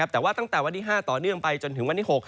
แต่ว่าตั้งแต่วันที่๕ต่อเนื่องไปจนถึงวันที่๖